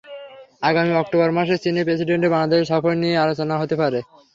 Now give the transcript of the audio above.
আগামী অক্টোবর মাসে চীনের প্রেসিডেন্টের বাংলাদেশের সফর নিয়েও আলোচনা হতে পারে।